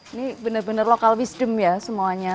ini benar benar local wisdom ya semuanya